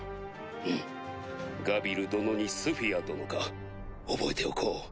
うむガビル殿にスフィア殿か覚えておこう。